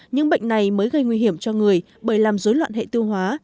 những bệnh này mới gây nguy hiểm cho người bởi làm dối loạn hệ tiêu hóa